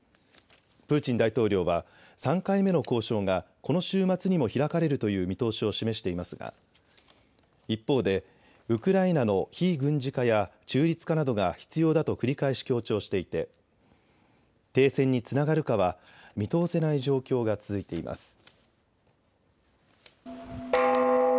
プーチン大統領は３回目の交渉がこの週末にも開かれるという見通しを示していますが一方でウクライナの非軍事化や中立化などが必要だと繰り返し強調していて停戦につながるかは見通せない状況が続いています。